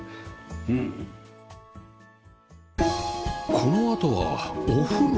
このあとはお風呂